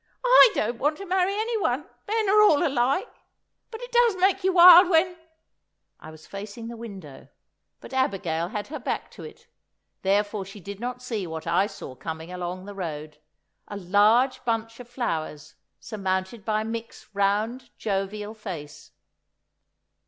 "I don't want to marry anyone; men are all alike. But it does make you wild, when——" I was facing the window, but Abigail had her back to it. Therefore she did not see what I saw coming along the road—a large bunch of flowers, surmounted by Mick's round, jovial face.